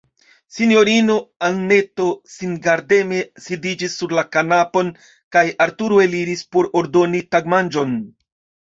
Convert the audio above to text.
Sinjorino Anneto singardeme sidiĝis sur la kanapon, kaj Arturo eliris, por ordoni tagmanĝon.